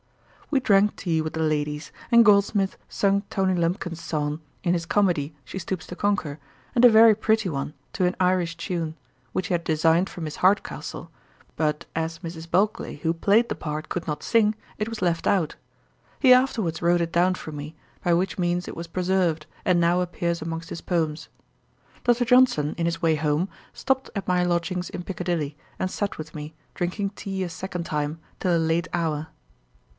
We drank tea with the ladies; and Goldsmith sung Tony Lumpkin's song in his comedy, She Stoops to Conquer, and a very pretty one, to an Irish tune, which he had designed for Miss Hardcastle; but as Mrs. Bulkeley, who played the part, could not sing, it was left out. He afterwards wrote it down for me, by which means it was preserved, and now appears amongst his poems. Dr. Johnson, in his way home, stopped at my lodgings in Piccadilly, and sat with me, drinking tea a second time, till a late hour.